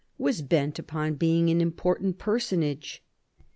was bent upon being an important personage.